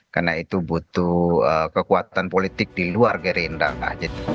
karena itu butuh kekuatan politik di luar gerindra